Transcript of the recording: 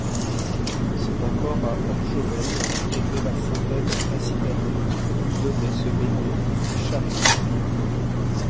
C'est encore à Orchomène qu'était la fontaine Acidalie, où venaient se baigner les Charites.